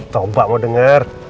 coba mau denger